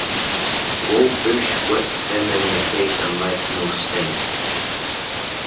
Low bush whipped him in the face and left no sting.